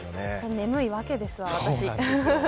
眠いわけです、私。